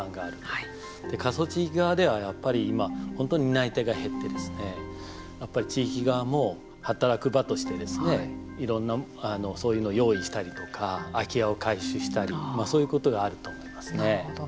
で、過疎地域側では、やっぱり今、本当に担い手が減ってですねやっぱり地域側も働く場としていろんなそういうのを用意したりとか、空き家を改修したり、そういうことがなるほど。